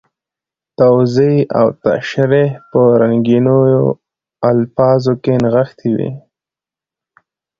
توضیح او تشریح په رنګینو الفاظو کې نغښتي وي.